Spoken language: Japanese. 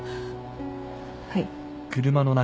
はい。